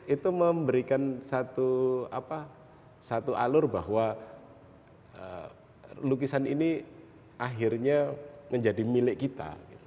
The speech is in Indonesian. itu memberikan satu alur bahwa lukisan ini akhirnya menjadi milik kita